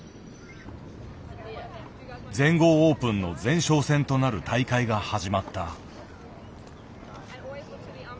全豪オープンの前哨戦となる大会が始まった。